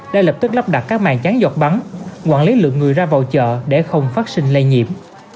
đã lập tức lắp đặt các màn tráng giọt bắn quản lý lượng người ra vào chợ để không phát sinh lây nhiễm